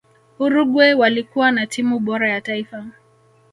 uruguay walikuwa na timu bora ya taifa